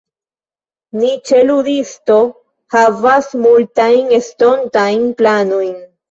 Ni ĉe Ludisto havas multajn estontajn planojn.